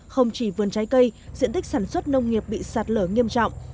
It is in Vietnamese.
không chỉ vườn trái cây diện tích sản xuất nông nghiệp bị sạt lở nghiêm trọng